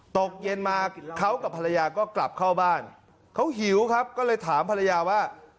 ตกเย็นมาเขากับภรรยาก็กลับเข้าบ้านเขาหิวครับก็เลยถามภรรยาว่า